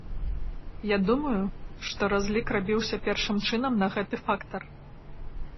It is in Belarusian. Я думаю, што разлік рабіўся першым чынам на гэты фактар.